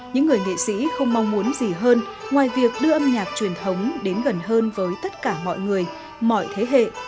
những người nghệ sĩ không mong muốn gì hơn ngoài việc đưa âm nhạc truyền thống đến gần hơn với tất cả mọi người mọi thế hệ